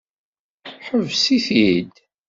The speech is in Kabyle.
Ḥbes-it-id!